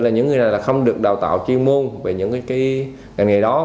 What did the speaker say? những người này không được đào tạo chuyên môn về những ngày đó